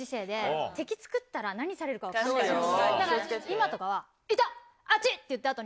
今とかは。